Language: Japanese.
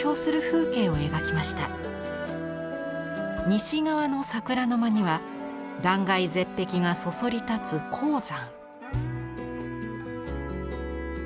西側の桜の間には断崖絶壁がそそり立つ黄山。